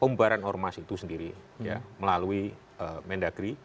pembaharan ormas itu sendiri ya melalui mendagri